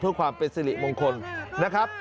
เพื่อความเป็นสิริมงคลนะครับ